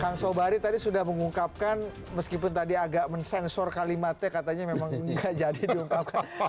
kang sobari tadi sudah mengungkapkan meskipun tadi agak mensensor kalimatnya katanya memang nggak jadi diungkapkan